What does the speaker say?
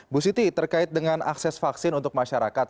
bu siti terkait dengan akses vaksin untuk masyarakat